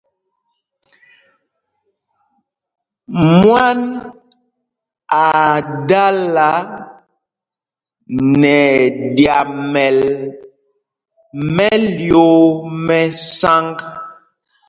Mwán aa dala nɛ ɛɗyamɛl mɛ́lyōō mɛ́ sǎŋg.